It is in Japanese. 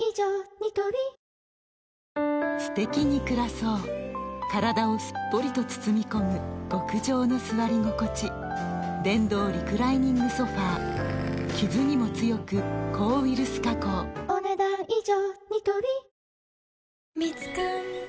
ニトリすてきに暮らそう体をすっぽりと包み込む極上の座り心地電動リクライニングソファ傷にも強く抗ウイルス加工お、ねだん以上。